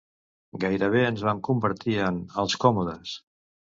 Gairebé ens vam convertir en "Els Commodes".